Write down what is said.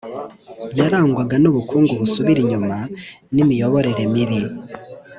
yarangwaga n'ubukungu busubira inyuma n'imiyoborere mibi.